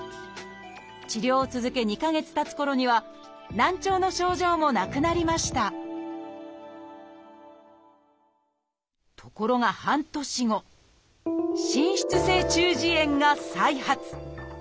治療を続け２か月たつころには難聴の症状もなくなりましたところが半年後滲出性中耳炎が再発。